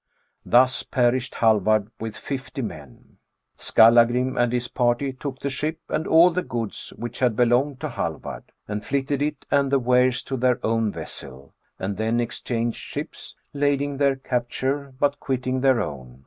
Thus perished Hallvard with fifty men. Skalla grim and his party took the ship and all the goods which had belonged to Hallvard ... and flitted it and the wares to their own vessel, and then exchanged ships, lading their capture, but quitting their own.